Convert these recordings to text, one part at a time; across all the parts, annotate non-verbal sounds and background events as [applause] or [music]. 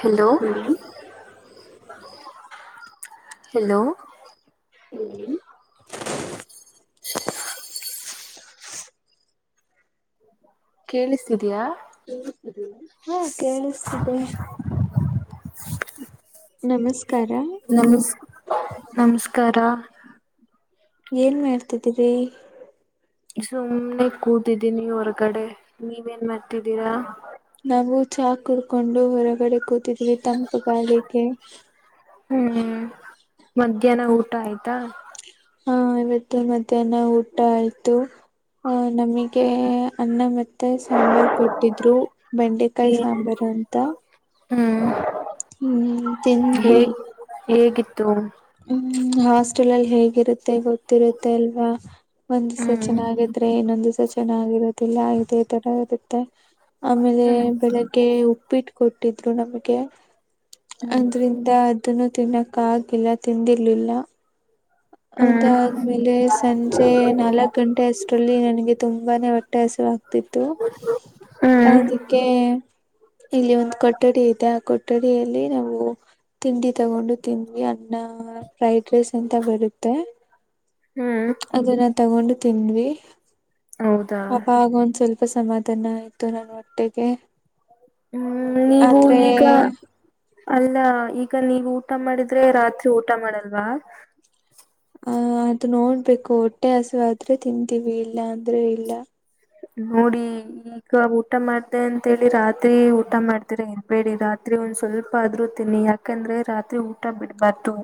Hello hello ಹೇಳಿ ಕೇಳಸ್ತಿದೆಯಾ ಹಾ ಕೇಳಸ್ತಿದೆ. [inaudible] ನಮಸ್ ನಮಸ್ಕಾರ. ಏನ್ ಮಾಡ್ತಿದ್ದೀರಿ. ಸುಮ್ನೆ ಕೂತಿದ್ದೀನಿ ಹೊರಗಡೆ ನೀವೆನ್ ಮಾಡ್ತಿದ್ದೀರಾ. ನಾವು ಚಾ ಕುಡ್ಕೊಂಡು ಹೊರಗಡೆ ಕೂತಿದ್ವಿ ತಂಪು ಗಾಳಿಗೆ ಹ್ಮು ಮಧ್ಯಾಹ್ನ ಊಟ ಆಯ್ತ್. ತ್ತ ಹ ಇವತ್ತು ಮಧ್ಯಾಹ್ನ ಊಟ ಆಯ್ತು ಆಹ ನಮಗೆ ಅನ್ನ ಮೆ ತ್ತ ಸಾಂಬಾರ್ ಕೊಟ್ಟಿದ್ರು ಬೆಂಡೆಕಾಯಿ ಸಾಂಬಾರ ಅಂತ ಹ್ಮ್ ಹ್ಮ ತಿಂದ್ವಿ. ಹೇಗ್ ಹೇಗಿತ್ತು ಹ್ಮ ಹಾಸ್ಟೆಲ್ ಲ್ಲಿ ಹೇಗಿರು ಮತ್ತೆ ಗೊತ್ತಿರುತ್ತೆ ಅಲ್ವಾ ಒಂದಿಸ ಹ್ಮ್ ಚೆನ್ನಾಗಿದ್ರೆ ಇನ್ನೊಂದ ದಿವ್ಸ ಚೆನ್ನಾಗಿರು. ತ್ತಿಲ್ಲ ಇದೆ ತರ ಇರುತ್ತೆ. ಆಮೇಲೆ ಹ್ಮ್ ಬೆಳಗ್ಗೆ ಉಪ್ಪಿಟ್ಟ ಕೊಟ್ಟ. ಟ್ಟಿದ್ರು ನಮಗೆ. ಅದ್ರಿಂದ ಅದನ್ನು. ತಿನಕ್ಕ ಆಗಿಲ್ಲ. ತಿಂದಿರ್ಲಿಲ್ಲ. ಹ್ಮ್ ಅದಾದ್ಮೇಲೆ ಸಂಜೆ ನಾಲ್ಕ್ ಗಂಟೆ ಅಷ್ಟರಲ್ಲಿ ನನಗೆ ತುಂಬಾನೇ ಹೊಟ್ಟೆ ಹಸಿವು ಆಗ್ತಿತ್ತು ಹ್ಮ್ ಅದಕ್ಕೆ ಇಲ್ಲಿ ಒಂದು ಕೊಠಡಿ ಇದೆ ಆ ಕೊ ಠಡಿಯಲ್ಲಿ ನಾವು ತಿಂಡಿ ತಗೊಂಡು ತಿಂದ್ವಿ ಅನ್ನಾ ಫ್ರೈಡ್ ರೈಸ್. [unintelligible] ಹ್ಮ್ ಅದನ್ನ ತಗೊಂಡ. ತಿಂದ್ವಿ. ಹೌದಾ ಅಪಾಗ್ ಒಂದ್ ಸ್ವಲ್ಪ. ತು ಸಮಾಧಾನ ಆಯ್ತು ನನ್ ಹೊಟ್ಟೆಗೆ. ಹ್ಮ್ ನೀವು ಆದ್ರೆ ಈಗ. ಅಲ್ಲ ಈಗ ನೀವು ಊಟ ಮಾಡಿದ್ರೆ ರಾತ್ರಿ ಊಟ ಮಾಡಲ್ವಾ. ಆ ಅದು ನೋಡ್ಬೇಕು ಹೊಟ್ಟೆ ಹಸಿವೆ ಆದ್ರೆ ತಿಂತೀವಿ ಇಲ್ಲ ಅಂದ್ರೆ ಇಲ್ಲ. ನೋಡಿ ಈಗ ಊಟ ಮಾಡ್ದೆ ಅಂತೇಳಿ ರಾತ್ರಿ ಊಟ ಮಾಡ್ತರ ಇರ್ಬೇಡಿ ರಾತ್ರಿ ಒಂದ್ ಸ್ವಲ್ಪ ಆದ್ರು ತಿನ್ನಿ ಯಾಕಂದ್ರೆ ರಾತ್ರಿ ಊಟ ಬಿಡ್ಬಾರ್ದು.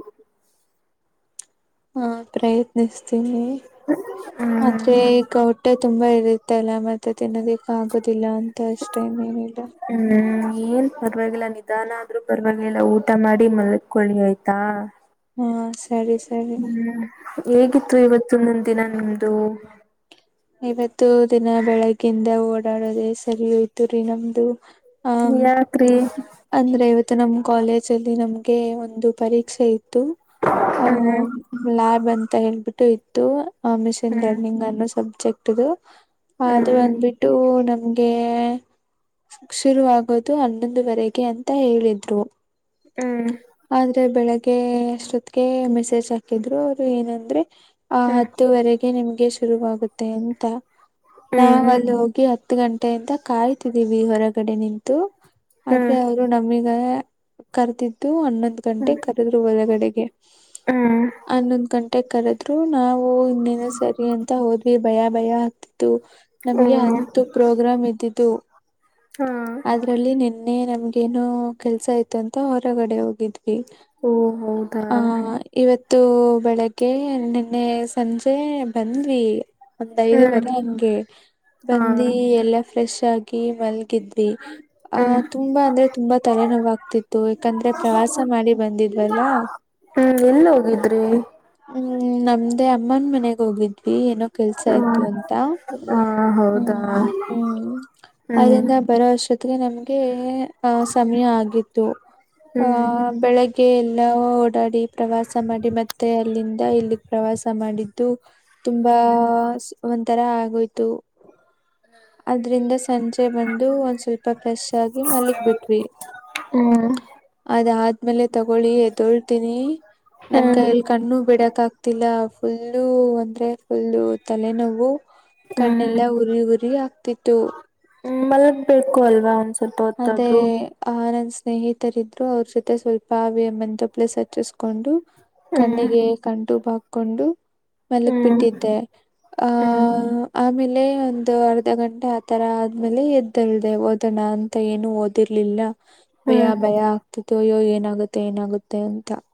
ಹ್ಮ ಪ್ರಯತ್ನಿಸ್ತೀನಿ. ಹ್ಮ್ ಮತ್ತೆ ಈಗ ಹೊಟ್ಟೆ ತುಂಬಾ ಇರುತ್ತಲ್ಲ ಮತ್ತೆ ತಿನದಕ್ಕೆ ಆಗುದಿಲ್ಲ ಅಂತ ಅಷ್ಟೇ ಇನ್ನೇನಿಲ್ಲ. ಹ್ಮ್ ಏನ್ ಪರವಾಗಿಲ್ಲ ನಿಧಾನ ಆದ್ರೂ ಪರವಾಗಿಲ್ಲ ಊಟ ಮಾಡಿ ಮಲ್ಕೊಳ್ಳಿ ಆಯ್ತಾ. ಹ್ಮ ಸ ಸರಿ ಸರಿ. ಹ್ಮ್ ಹೇಗಿತ್ತು ಇವತ್ತಿನೊನ್ದ್ ದಿನ ನಿಮ್ದು. ಇವತ್ತು ದಿನ ಬೆಳಗ್ಗಿಂದ ಓಡಾಡೋದೆ ಸರಿ ಹೋಯ್ತು ರೀ ನಮ್ದು. ಯಾಕ್ರಿ. ತ್ತ ನಮ್ ಕಾಲೇಜ್ ಅಲ್ಲಿ ನಮ್ಗೆ ಒಂದು ಪರೀಕ್ಷೆ ಇತ್ತು. [unintelligible] ಆ ಹ್ಮ್ ಲ್ಯಾಬ್ ಅಂತ ಹೇಳ್ಬಿಟ್ಟು. ತ್ತು. ಹ ಮಿಷಿನ್ ಹ್ಮ್ ಲರ್ನಿಂಗ್ ಆದ್ಮೇಲ್ ಸಬ್. ಚೆಕ್ಟದು ಅದು ಹ್ಮ್ ಬಂದ್ಬಿಟ್ಟು ನ ನಂಗೆ ಶುರುವಾಗೋದು ಹನ್ನೊಂದುವರೆಗೆ ಅಂತ ಹೇಳಿದ್ರು. ಹ್ಮ್ ಆದ್ರೆ ಬೆಳ ಗ್ಗೆ ಅಷ್ಟೊತ್ಗೆ ಮೆಸೇಜ್ ಹಾಕಿದ್ರು ಅವರು ಏನಂದ್ರೆ ಆ ಹ್ಮ್ ಹತ್ತುವರೆಗೆ ನಿಮ್ಗೆ ಶುರುವಾಗು ಅಂತಾ ನಾವ್ ಹ್ಮ್ ಅಲ್ಲಿ ಹೋಗಿ ಹತ್ತು ಗಂಟೆಯಿಂದ ಕಾಯ್ತಿದ್ದೀವಿ ಹೊರಗಡೆ ನಿಂತು ಆದ್ರೆ ಹ್ಮ್ ಅವರು ನಮಗ ಕರೆದಿದ್ದು ಹನ್ನೊಂದ್ ಗಂಟೆ ಕರೆದ್ರು ಒಳಗಡೆಗೆ ಹ್ಮ್ ಹನ್ನೊಂದ್ ಗಂಟೆ ಕರೆದ್ರು ನಾವು ಇನ್ನೇನ ಸರಿ ಅಂತ ಹೋದ ಭಯ ಭಯ ಹತ್ತಿತ್ತು ನಮ್ಗೆ ಹ್ಮ್ ಹತ್ತು ಪ್ರೋಗ್ರಾಮ್ ಇದ್ದಿದ್ದು ಹಾ ಅದ್ರಲ್ಲಿ ನಿನ್ನ್ ನೇ ನಮ್ಗ ಏನೋ ಕೆಲ್ಸ ಐತೆ ಅಂತ ಹೊರಗಡೆ ಹೋಗಿದ ವಿ ಓ ಹೌದಾ ಅ ಇವತ್ತು ಬೆಳಗ್ಗೆ ನಿನ್ನೆ ಸಂಜೆ ಬಂದ್ವಿ. ಒಂದ್ ಹ್ಮ್ ಐದುವರೆ ಹಂಗೆ ಹಾ ಬಂದಿ ಎಲ್ಲ ಫ್ರೆಶ್ [unintelligible] ಮಲ್ಗಿದ್ವಿ. ಆ ಹ್ಮ್ ತುಂಬಾ ಅಂದ್ರೆ ತುಂಬಾ ತಲೆನೋವಾಗ್ತಿತ್ತು ಯಾಕಂದ್ರೆ ಪ್ರವಾಸ ಮಾಡಿ ಬಂದಿದ್ವಿ ಅಲ್ಲಾ. ಹ್ಮ್ ಎಲ್ಲಿ ಹೋಗಿದ್ರಿ. ಹ್ಮು ನಮ್ದೇ ಅಮ್ಮನ್ ಮನೆಗ್ ಹೋಗಿದ್ವಿ ಏನೋ ಕೆಲ್ಸ ಹ್ಮ ಇತ್ತು ಅಂತ ಹ ಹೌದಾ ಹ್ಮು ಹ್ಮು ಹ್ಮ್ ಅಲ್ಲಿಂದ ಬರೊ ಅಸ್ಟೊತ್ತಿ [unintelligible] ನಮಗೆ ಎ ಅ ಸಮಯ ಆಗಿತ್ತು ಅ ಹ್ಮ್ ಬೆಳಗ್ಗೆ ಎಲ್ಲ ಓಡಾಡಿ ಪ್ರವಾಸ ಮಾಡಿ ಮತ್ತೆ ಅಲ್ಲಿಂದ ಇಲ್ಲಿಗೆ ಪ್ರವಾಸ ಮಾಡಿದ್ದು ತುಂಬಾ ಒಂಥರ ಆಗೋ ಯ್ತು ಅದ್ರಿಂದ ಸಂಜೆ ಬಂದು ಒಂದ್ ಸ್ವಲ್ಪ ಫ್ರೆಶ್ ಆಗಿ ಮಲಿಗ್ ಬಿಟ್ವಿ ಹ್ಮ್ ಅದ ಆದ ಆಮೇಲೆ ತಗೊಳ್ಳಿ ಎದ್ದೋಳ್ತೀನಿ ನನ್ ಹ್ಮ್ ಕೈಯಲ್ಲಿ ಕಣ್ಣು ಬಿಡಕ್ ಆಗ್ತಿಲ್ಲ ಫುಲ್ಲು ಅಂದ್ರೆ ಫುಲ್ಲು ತಲೆ ನೋವು ಹ್ಮ್ ಕಣ್ಣೆಲ್ಲ ಉರಿ ಉರಿ ಆಗ್ತಿತ್ತು. [unintelligible] ಅದೇ ಹೊತ್ತಾದ್ರು ಆ [unintelligible] ಸ್ನೇಹಿತರ ಇದ್ರು ಅವ್ರ ಜೊತೆ ಸ್ವಲ್ಪವೆ ಮೆಂತ ಪ್ಲೇಸ್ ಹಚ್ಚಿಸಕೊಂಡು ಹ್ಮ್ ಕಣ್ಣಿಗೆ ಕಂಟು ಬಾಕ್ ಕೊಂಡು ಮಲಿಗ್ ಹ್ಮ್ ಬಿಟ್ಟಿದ್ದೆ ಆ ಹ್ಮ್ ಆಮೇಲ್ ಲೆ ಒಂದು ಅರ್ಧ ಗಂಟೆ ಆ ತರ ಆದ್ಮೇಲೆ ಎದ್ದೆಲ್ದೆ ಓದೋಣ ಅಂತ. ಮತ್ತೆ ಏನು ಓದಿರ್ಲಿಲ್ಲ. ಭಯ ಹ್ಮ್ ಭಯ ಆಗ್ತಿತ್ತು ಅಯ್ಯೋ ಏನಾಗುತ್ತೆ ಏನಾಗುತ್ತೆ. ಮತ್ತೆ ಎಂತ.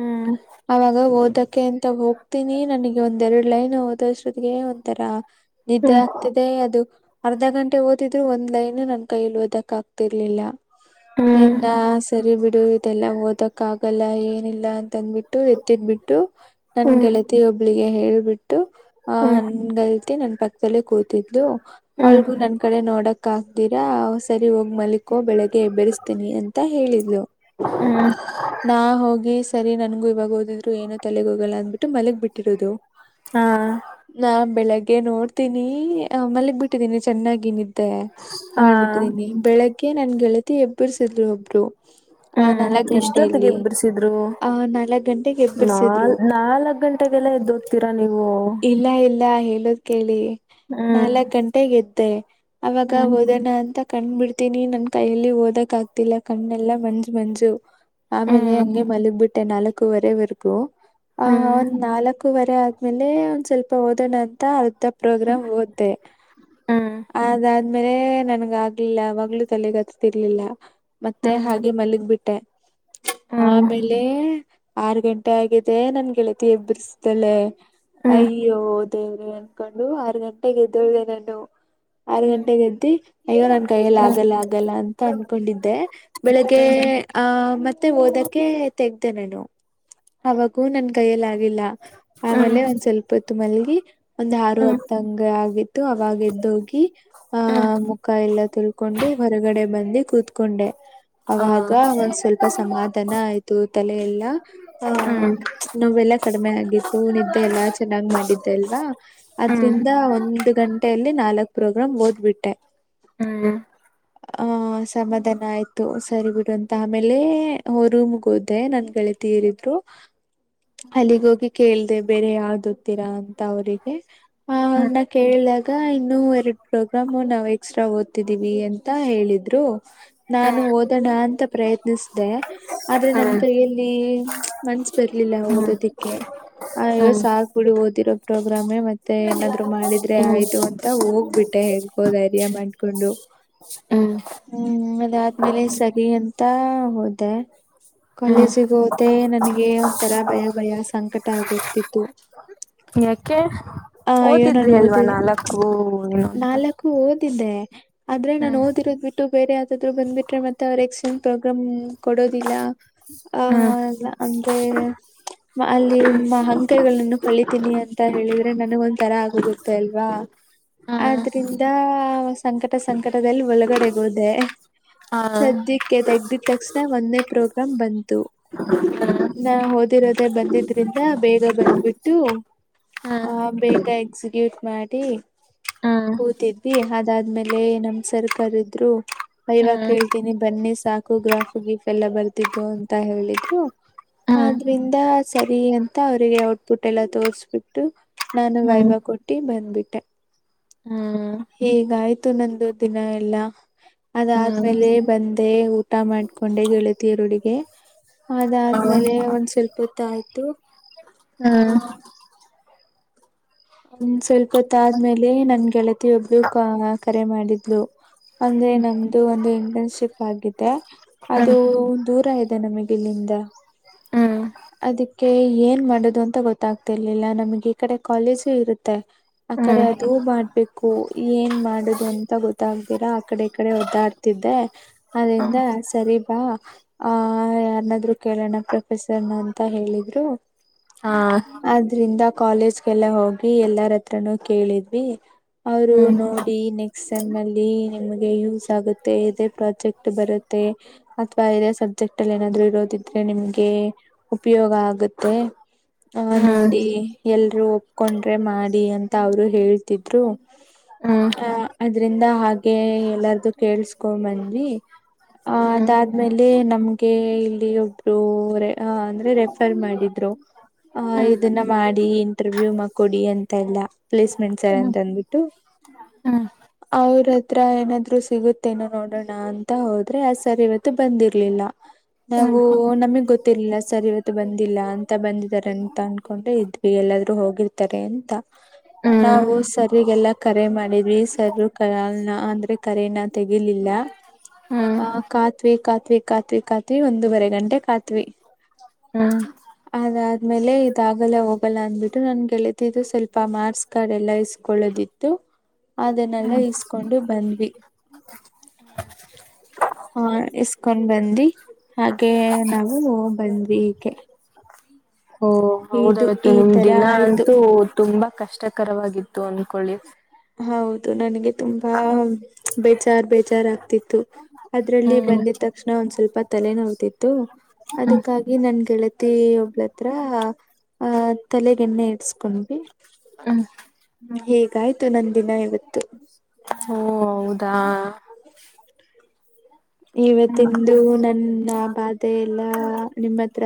ಹ್ಮ್ ಅವಾಗ ಓದಕ್ಕೆ ಅಂತ ಹೋಗ್ತೀನಿ ನನಗೆ ಒಂದೆರಡ್ ಲೈನ್ ಓದಷ್ಟತ್ತಿಗೆ ಒಥರ ಹ್ಮ್ ನಿದ್ದೆ ಹ್ಮ್ ಆಗ್ತಿದೆ ಅದು ಅರ್ಧ ಗಂಟೆ ಓದಿದ್ರು ಒಂದ್ ಲೈನ್ ನನ್ ಕೈಯಲ್ಲಿ ಓದಕ್ ತರ್ಲಿಲ್ಲ ಹ್ಮ್ ಇನ್ನ ಸರಿ ಬಿಡು ಇದೆಲ್ಲ ಓದಕ್ ಆಗಲ್ಲ ಏನಿಲ್ಲ ಅಂತಬಿಟ್ಟು ಎತ್ತಿದ್ಬಿಟ್ಟು. ನನ್ ಹ್ಮ್ ಗೆಳತಿ ಒಬ್ ಒಬ್ಳಿಗೆ ಹೇಳ್ಬಿಟ್ಟು ಆಹ ಹ್ಮ್ ಹ್ಮ್ ನನ್ ಗಲ್ತಿ ನನ್ ಪಕ್ಕದದಲ್ಲಿ ಕೂತಿದ್ಲು ಅವಳಗೂ ನನ್ ಕಡೆ ನೋಡಕ್ ಆಗ್ದಿರ. ಸರಿ ಹೋಗ ಮಲಿಕೋ ಬೆಳಿಗ್ಗೆ ಎಬೆರೆಸ್ತೇನಿ ಅಂತ ಹೇಳಿದ್ಲು ನಾ ಹೋಗಿ ಸರಿ ನನ್ಗೂ ಇವಾಗ ಓದಿದ್ರು ಏನೋ ತಲೆಗ್ ಹೋಗಲ್ಲ ಅಂದ್ಬಿಟ್ಟು ಮಲಿಗ್ ಬಿಟ್ಟಿರೋದು. ಹಾ ನಾ ಬೆಳಗ್ಗೆ ನೋಡ್ತೀನಿ ಮಲ್ಲಿಗ್ ಬಿಟ್ಟಿದ್ದೀನಿ ಚೆನ್ನಾಗಿ ನಿದ್ದೆ. ಹಾ ಬೆಳಗ್ಗೆ ನನ್ ಗೆಳತಿ ಎಬ್ಬರ್ಸಿದ್ರು ಒಬ್ [unintelligible] ಎಷ್ಟೊತ್ತಿಗೆಬ್ಬಸಿದ್ರು ಆ ನಾಲ್ಕ್ ಗಂಟೆಗೆ ಎಬ್ಬಿರ್ಸಿದ್ರು ನಾ-ನಾಲ್ಕ್ ಗಂಟೆಗೆಲ್ಲ ಎದ್ದು ಓದುತ್ತೀರಾ ನೀವು. ಇಲ್ಲ ಇಲ್ಲ ಹಾ ಹೇಳೋದ್ ಕೇಳಿ. ಹ್ಮ್ ನಾಲ್ಕ್ ಗಂಟೆಗೆ ಎದ್ ಮತ್ತೆ ಅವಾಗ ಹ್ಮ್ ಓದೋಣ ಅಂತ ಕಂಡ್ಬಿಡ್ [unintelligible] ನನ್ ಕೈಯಲ್ಲಿ ಓದಕ್ ಆಗ್ ತ್ತಿಲ್ಲ ಕಣ್ಣೆಲ್ಲ ಮಂಜ್ ಮಂಜು ಆಮೇಲೆ ಹ್ಮ್ ಹಂಗೆ ಮಲಗ್ ಬಿಟ್ಟೆ ನಾಲಕ್ ಕ್ಕು ವರೆಯವರ್ಗು. ಆ ಹ್ಮ್ ಒಂದ್ ನಾಲಕ್ ಕ್ಕು ವರೆ ಆದ್ಮೇಲೆ. [unintelligible] ಒಂದ್ ಸ್ವಲ್ಪ ಓದೋಣ ಅಂತ ಅರ್ಧ ಪ್ರೋಗ್ರಾಮ್ ಓದದೆ ಹ್ಮ್ ಅದಾದ್ಮೇಲೆ ನನ್ಗ ಆಗ್ಲಿಲ್ಲ ಅವಾಗ್ಲು ತಲೆಗತ್ತತಿರ್ಲಿಲ್ಲ ಮತ್ತೆ ಹ್ಮ್ ಹ್ಮ್ ಹಾಗೆ ಮಲಗ್ ಬಿಟ್ಟೆ ಹ್ಮ್ ಆಮೇಲೆ ಆರ್ ಗಂಟೆ ಆಗ ಮತ್ತೇ ನನ್ಗೆಳತಿ ಇಬ್ಬ್ರಸ್ದಲೆ. ಹ್ಮ್ ಅಯ್ಯೋ ದೇವ್ರೆ ಅನ್ಕೊಂಡು ಆರ್ ಗಂಟೆೆಗೆ ಎದ್ದೋಳ್ದೆ ನಾನು ಆರ್ ಗಂಟೆೆಗೆ ಎದ್ದಿ ಅಯ್ಯೋ ನನ್ ಕೈಯಲ್ ಆಗಲ್ಲ ಆಗಲ್ಲ ಅಂತ ಅನ್ಕೊಂಡಿದ್ದೆ ಬೆಳಿಗ್ಗೆ ಆ ಮತ್ತೆ ಓದಕ್ಕೆ ತೆಗ್ದೆ ನಾನು. ಅವಾಗೂ ನನ್ ಕೈಯಲ್ ಆಗಿಲ್ಲ ಹ್ಮ್ ಹ್ಮ್ ಹ್ಮ್ ಹ್ಮ್ ಹ್ಮ್ ಹ್ಮ್ ಆಮೇಲೆ ಒನ್. ಪ್ಪತ್ತು ಮಲ್ಗೀ. ಒಂದ್ ಆರು ಹ್ಮ್ ಹತ್ತಂಗ ಆಗಿ ತ್ತು ಅವಾಗ ಎದ್ದೋಗಿ ಆ ಮುಖ ಎಲ್ಲಾ ತೊಳ್ಕೊಂಡು ಹೊರಗಡೆ ಬಂದಿ ಕೂತ್ಕೊಂಡೆ. ಅವಾಗ ಒಂದ್ ಸ್ವಲ್ಪ ಸಮಾಧಾನ ಆಯ್ ತ್ತು ತಲೆ ಎಲ್ಲ. ಹಾ ಹ್ಮ್ ನಾವೆಲ್ಲ. ಕಡಿಮೆ ಆಗಿತ್ತು ನಿದ್ದೆ ಎಲ್ಲಾಚ್. ಚೆನ್ನಾಗ್ ಮಾಡಿದ್ದೆ ಅಲ್ವಾ ಅದ್ರಿಂದ ಒಂದು ಗಂಟೆಯಲ್ಲಿ ನಾಲಕ್ ಪ್ರೋಗ್ರಾಮ್ ಓದ್ಬಿಟ್ಟೆ ಆ ಸಮಾಧಾನ ಆಯ್ತು ಸರಿ ಬಿಡು ಅಂತ ಆಮೇಲೇ ಹೊ-ರೂಮ್ಗ್ ಹೋದೆ ನನ್. ಗೆಳತೀಯರಿದ್ರು. ಹಲ್ಲಿಗ್ಗೋಗಿ ಕೇಳ್ದೆ ಬೇರೆ ಯಾವ್ದು. ತೀರಾ ಅಂತ ಅವರಿಗೆ ಅವ್ರನ ಕೇಳ್ದಾಗ ಇನ್ನು. ಹು ಎರಡ್ ಪ್ರೋಗ್ರಾಮು ನಾವು ಎಕ್ಸ್ಟ್ರಾ ಓದ್ತಿದೀವಿ ಅಂತ ಹೇಳಿದ್ರು ನಾನು ಓದೋಣ ಅಂತ ಪ್ರಯತ್ನಿಸ್ದೆ. ಆದ್ರೆ ನನ್ ಕೈಯಲ್ಲಿ. ಮನ್ಸ್ ಬರ್ಲಿಲ್ಲ ಓದೋದಿಕ್ಕೆ. ಅಯ್ಯೊ ಹ್ಮ್ ಹ್ಮ್ ಹ್ಮ್ ಸಾಕ್. ಓದಿರೋ ಪ್ರೋಗ್ರಾಮೆ ಮತ್ತೆ ಏನಾದ್ರು. ಮಾಡಿದ್ರೆ ಆಯ್ತು ಅಂತ ಹೋಗ್ಬಿ ಟ್ಟೆ ಹೆಂಗೋ ಧೈರ್ಯ ಮಾಡ್ಕೊಂಡು ಹ್ಮ್ ಅದಾದ್ಮೇಲೆ ಸರಿ ಅಂತ ಹೋದೆ ಕಾಲೇಜಿಗ್ ಹೋದೆ ನನಗೆ ಒಂಥರ ಭಯ ಭಯ ಸಂಕಟ ಆಗೋಗ್ತಿತ್ತು. ಯಾಕೆ ಆ ಅಯ್ಯೋ ಓದಿದ್ರಿ ನಾನು ಅಲ್ವಾ ಓದಿದ ನಾಲಕ್ಕೂ [unintelligible] ನಾಲ್ಕು ಓದಿದ್ದೆ ಆದ್ರೆ ನಾನ್ ಓದಿರೊದ್ ಬಿಟ್ಟು ಬೇರೆ ಯಾ ದ್ರು ಬಂದ್ಬಿಟ್ರೆ ಮತ್ತೆ ಅವರ್ ಎಕ್ಸಾಮ್ ಪ್ರೋಗ್ರಾಮ್ಮೂ‌ ಕೊಡೋದಿಲ್ಲ ಆ ಹ್ಮ್ ಅಲ್ಲ ಅಂದ್ರೆ ಮ್-ಅಲ್ಲಿ ಹಂಕೈಗಳನ್ನು. ತ್ತಿಲಿ. ಅಂತ ಹೇಳಿದ್ರೆ ನನಗ್ ಒಂದ ತರ ಆಗೊಗುತ್ತೆ ಅಲ್ವಾ ಹ್ಮ್ ಆದ್ರಿಂದ ಸಂಕಟ ಸಂಕಟದಲ್ಲಿ ಒಳಗಡೇಗೋದೇ. ಹ ಹ್ಮ್ ಸದ್ಯಕ್ಕೆ ತೆಗ್. ಇದಿದ್ ತಕ್ಷ್ಣ ಒಂದೇ ಪ್ರೋಗ್ರಾಮ್ ಬಂತು ಹ್ಮ್ ನ ಓದಿರೋದೆ ಬಂದಿದ್ರಿಂದ ಬೇಗ ಬರದ್ಬಿಟ್ಟು ಬಿಟ್ಟು ಹ್ಮ್ ಹ್ಮ್ ಆ ಬೇಗಾ ಎಕ್ಸಿಕ್ಯೂಟ್ ಮಾಡಿ ಹ್ಮ್ ಕೂತಿದ್ವಿ ಅದಾದ್ಮೇಲೆ ಲೇ ನಮ್ ಸರ್ ಕರುದ್ರು ವೈವಾ ಕೇಳ್ತೀನಿ ಬನ್ನಿ ಸಾಕು ಗ್ರಾಫ್ ಗೀಫ್ ಎಲ್ಲ ಬರ್ದಿದ್ದು ಅಂತ ಹೇಳಿದ್ರು ಆದ್ರಿಂದ ಸರಿ ಅಂತ ಅವ್ರಿಗೆ ಎಲ್ಲಾ ತೋರ್ಸ್ಬಿಟ್ಟು ನಾನು ಹ್ಮ್ ವೈವ ಕೊಟ್ಟಿ ಬ ಬಂದ್ಬಿಟ್ಟೆ ಹ್ಮ್ ಹೀಗಾಯ್ತು ನಂದು ದಿನ ಎಲ್ಲ ಹ್ಮ್ ಅದಾದ್ಮೇಲೆ ಬಂದೆ ಊಟ ಮಾಡ್ಕೊಂಡೆ ಗೆಳತಿಯರೊಡಿಗೆ ಹ್ಮ್ ಅದಾದ್ಮೇಲೆ ಒಂದ್ ಸ್ವಲ್ಪ ಹೊತ್ತು ಆಯ್ತು ಆ ಹ್ಮ್ ಒಂದ್ ಸ್ವಲ್ಪತ್ತು ಆದ್ಮೇಲೆ ನನ್ ಗೆಳತಿ ಒಬ್ಳು ಕರೆ ಮಾಡಿದ್ಲು ಅಂದ್ರೆ ನಮ್ದು ಒಂದು ಇಂಟರ್ನ್ಶಿಪ್ ಆಗಿದೆ ಅದು ಹ್ಮ್ ದೂರ ಇ ಮತ್ತೆ ನಮಿಗ್ ಇಲ್ಲಿಂದ ಹ್ಮ್ ಅದಕ್ಕೆ ಏನ್ ಮಾಡುದು ಅಂತ ಗೊತ್ತಾಗ್ತಿರ್ಲಿಲ್ಲ ನಮಗೆ ಈ ಕಡೆ ಕಾಲೇಜು ಇರುತ್ತೆ ಆಕಡೆ ಹ್ಮ್ ಅದೂ ಮಾಡ್ಬೇಕು ಏನ್ ಮಾಡುದು ಅಂತ ಗೊತ್ತಾಗ್ದಿರಾ ಆ ಕಡೆ ಈ ಕಡೆ ಒದ್ದಾಡ್ತಿದ್ದೆ ಹ್ಮ್ ಅದ್ರಿಂದ ಸರಿ ಬಾ ಆ ಯಾರನಾದ್ರು ಕೇಳೋಣ ಪ್ರೊಫೆಸರ್ ಅಂತ ಹೇಳಿದ್ರು ಹಾ ಆದ್ರಿಂದ ಕಾಲೇಜ್ಗೆಲ್ಲ ಹೋಗಿ ಎಲ್ಲರ ಹತ್ರಾನೂ ಕೇಳಿದ್ವಿ ಅವರು ಹ್ಮ್ ನೋಡಿ ನೆಕ್ಸ್ಟ್ ಸೆಮ್ ಅಲ್ಲಿ ನಿಮ್ಗೆ ಯೂಸ್ ಆಗುತ್ತೆ ಇದೇ ಪ್ರಾಜೆಕ್ಟ್ ಬರುತ್ತೆ ಅಥವಾ ಇದೇ ಸಬ್ಜೆಕ್ಟ್ ಅಲ್ಲಿ ಏನಾದ್ರು ಇರೋದ್ ಆದೆ ನಿಮಗೆ ಉಪಯೋಗ ಆಗುತ್ತೆ ಆ ಹ್ಮ್ ನೋಡಿ ಎಲ್ಲ ಒಪ್ಕೊಂಡ್ರೆ ಮಾಡಿ ಅಂತ ಅವರು ಹೇಳ್ತಿದ್ರು ಹ್ಮ್ ಹ ಅದ್ರಿಂದ ಹಾಗೆ ಎಲ್ಲಾರ್ದು ಕೇಳಸ್ಕೊ ಬಂದ್ವಿ ಅ ಹ್ಮ್ ಅದಾದ್ಮೇಲೆ ನಮ್ಗೆ ಇಲ್ಲಿ ಒಬ್ರು ಅ ಅಂದ್ರೆ ರೆಫರ್ ಮಾಡಿದ್ರು ಹ್ಮ್ ಇದನ್ನ ಮಾಡಿ ಇಂಟರ್ವ್ಯೂನ ಕೊಡಿ ಅಂತೆಲ್ಲ ಪ್ಲೇಸ್ಮೆಂಟ್ ಸರ್ ಹ್ಮ್ ಹ್ಮ್ ಹ್ಮ್ ಅಂತ ಅನ್ಬಿಟ್ಟು ಹ್ಮ್ ಅವ್ರ್ ಹತ್ರ ಏನಾದ್ರೂ ಸಿಗುತ್ತೇನೋ ನೋಡೋಣ ಅಂತ ಹೋದ್ರೆ ಆ ಸರ್ ಇವತ್ತು ಬಂದಿರಲಿಲ್ಲ ನಾವು ನಮಿಗ್ ರ್ಲ ಸರ್ ಇವತ್ತು ಬಂದಿಲ್ಲ ಅಂತ ಬಂದಿದ್ದಾರೆ ಅಂತ ಅನ್ಕೊಂಡೆ ಇದ್ವಿ ಎಲ್ಲಾದ್ರೂ ಹೋಗಿರ್ತಾರೆ ಅಂತ ನಾವು ಸರ್ರಿಗೆಲ್ಲಾ ಕರೆ ಮಾಡಿದ್ವಿ ಸರ ಕಲ್ ಅಂದ್ರೆ ಕರೆನ ತೆಗಿಲಿಲ್ಲ ಹ್ಮ್ ಹ್ಮ್ ಅ ಕಾತ್ವಿ ಕಾತ್ವಿ ಕಾತ್ವಿ ಕಾತ್ವಿ ಒಂದುವರೆ ಗಂಟೆ ಕಾತ್ವಿ ಹ್ಮ್ ಅದಾದ್ಮೇಲೆ ಇದಾಗಲ್ಲ ಹೋಗ ಲ್ಲ ಅಂದ್ಬಿಟ್ಟು ನನ್ಗೆಳಿತಿದ್ದು ಸ್ವಲ್ಪ ಪ ಮಾರ್ಸ್ ಕಾರ್ಡ್ ಎಲ್ಲ ಇಸ್ಕೊಳ್ಳೋದಿತ್ತು ಅದನ್ನೆಲ್ಲ ಇಸ್ಕೊಂಡು ಬಂದ್ವಿ ಹ ಇಸ್ಕೊಂಡ್ ಬಂದಿ ಹಾಗೆ ನಾವು ಬಂದ್ವಿ ಕೆ ಓ ಹೌದವತ್ತು ನಿಮ್ ತರ ದಿನ ಆಯ್ತು ಅಂತೂ ತುಂಬಾ ಕಷ್ಟಕರವಾಗಿತ್ತು ಅಂದ್ ಕೊಳ್ಳಿ. ಹೌದು ನನಗೆ- ತುಂಬಾ ಬೇಜಾರ್ ಬೇಜಾರ್ ಆಗ್ತಿತ್ತು ಅದ್ರಲ್ಲಿ ಹ್ಮ್ ಬಂದಿದ್ ತಕ್ಷಣ ಒಂದ್ ಸ್ವಲ್ಪ ತಲೆನೋವ್ತಿತ್ತು ಅದಕ್ಕಾಗಿ ನನ್ಗೆ ತ್ತೆ ಒಬ್ಳತ್ರ ಆ ತಲೆಗೆ ಎಣ್ಣೆ ಇಡ್ಸ್ಕೊಂಡ್ಡೆ. ಹ್ಮ್ ಹೇಗಾಯಿತು. ದಿನ ಇವತ್ತು. ಓ ಹೌದಾ. ಇವತ್ತಂದು ನನ್ನ ಬಾಧೆ ಎಲ್ಲಾ ನಿಮ್ಮ ಹತ್ರ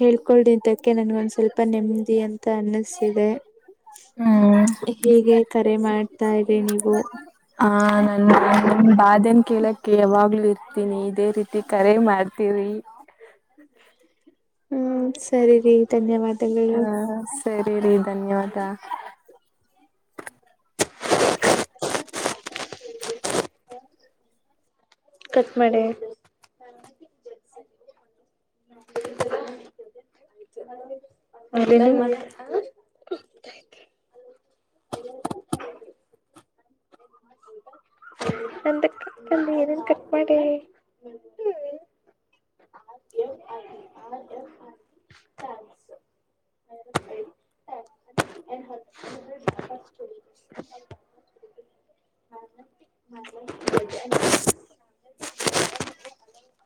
ಹೇಳ್ಕೊಳ್ದಿದ್ದಕ್ಕೆ ನನ್ಗೊಂದ್ ಸ್ವಲ್ಪ ನೆಮ್ಮದಿ ಅಂತ ಅನ್ನಸ್ತಿದೆ ಹ್ಮ್ ಹೀಗೆ ಕರೆ ಮಾಡ. ತಾರಿ ನೀವು. ಹಾ ನನ್ ಬಾದ್ಯನ್ ಕೇಳಕ್ಕೆ ಯಾವಾಗ್ಲು ಇರ್ತೀನಿ ಇದೇ ರೀತಿ ಕರೆ ಮಾಡ್ತೀರಿ. ಹ್ಮ್ ಸರಿ ರಿ ಧನ್ಯವಾದ. ಹ್ಮ ಸರಿ ರೀ ಧನ್ಯವಾದ. ಕಟ್ ಮಾಡಿ. [unintelligible] [unintelligible]